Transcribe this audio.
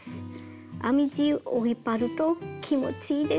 編み地を引っ張ると気持ちいいですよ。